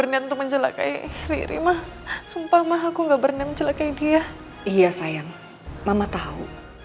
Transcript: ya sayang mama tahu